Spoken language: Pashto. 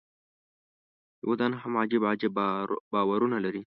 یهودان هم عجب عجب باورونه لري.